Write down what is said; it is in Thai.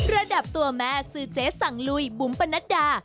ระดับตัวแม่ซื้อเจ๊สั่งลุยบุ๋มปนัดดา